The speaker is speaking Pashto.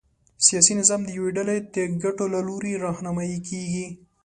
سیاسي نظام د یوې ډلې د ګټو له لوري رهنمايي کېږي.